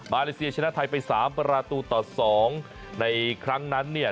เลเซียชนะไทยไปสามประตูต่อสองในครั้งนั้นเนี่ย